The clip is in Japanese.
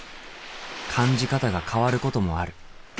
感じ方が変わることもある。